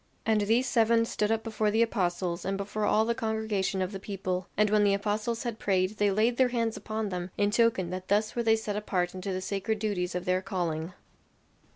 And these seven stood up before the apostles and before all the congregation of the people; and when the apostles had prayed they laid their hands upon them, in token that thus were they set apart unto the sacred duties of their calling.